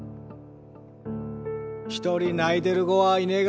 一人泣いてる子はいねが。